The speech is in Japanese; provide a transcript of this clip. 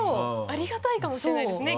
ありがたいかもしれないですね